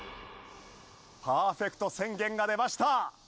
パーフェクト宣言が出ました。